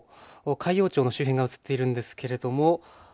海陽町の周辺が映っているんですけれどもはい。